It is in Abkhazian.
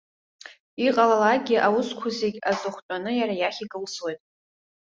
Иҟалалакгьы, аусқәа зегьы аҵыхәтәаны иара иахь икылсуеит.